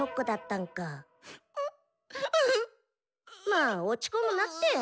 まあ落ち込むなって。